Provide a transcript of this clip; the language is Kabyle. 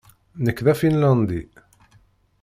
Nekk d Afinlandi